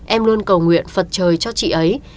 em luôn cầu nguyện phật trời cho chị ấy